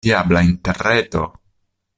Diabla Interreto!